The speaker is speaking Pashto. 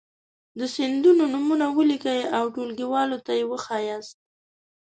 د سیندونو نومونه ولیکئ او ټولګیوالو ته یې وښایاست.